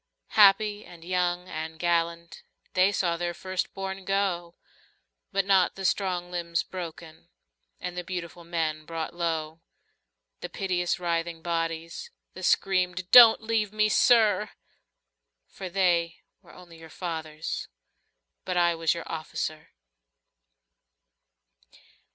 Happy and young and gallant, They saw their first bom go, 41 But not the strong limbs broken And the beautiful men brought low, The piteous writhing bodies, The screamed, " Don't leave me, Sir," For they were only your fathers But I was your officer.